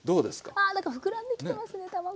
あなんか膨らんできてますね卵が。